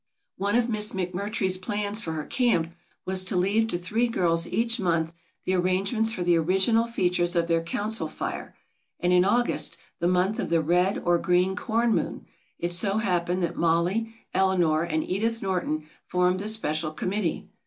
One of Miss McMurtry's plans for her camp was to leave to three girls each month the arrangements for the original features of their Council Fire and in August, the month of the Red or Green Corn Moon, it so happened that Mollie, Eleanor and Edith Norton formed the special committee.